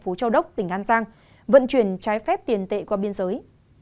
cơ quan cảnh sát điều tra công an tỉnh an giang vận chuyển trái phép tiền tệ qua biên giới